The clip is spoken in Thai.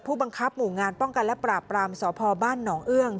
บังคับหมู่งานป้องกันและปราบรามสพบ้านหนองเอื้อง